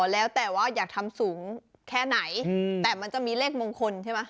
แล้วแต่ว่าอยากทำสูงแค่ไหนแต่มันจะมีเลขมงคลใช่ไหม